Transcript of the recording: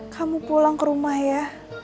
kamu pulang ke rumah ya